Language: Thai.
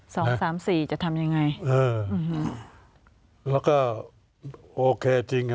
สองสามสี่จะทำยังไงเอออืมแล้วก็โอเคจริงอ่ะ